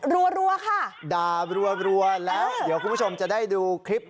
รัวค่ะด่ารัวแล้วเดี๋ยวคุณผู้ชมจะได้ดูคลิป